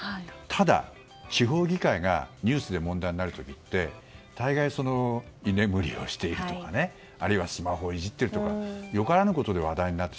ただ、地方議会がニュースで問題でなる時って大概、居眠りをしているとかあるいはスマホをいじっているとかよからぬことで話題になる。